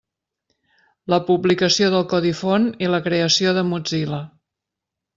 La publicació del codi font i la creació de Mozilla.